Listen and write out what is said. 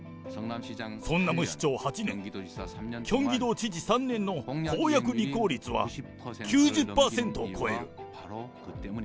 ソンナム市長８年、キョンギ道知事３年の公約履行率は９０％を超える。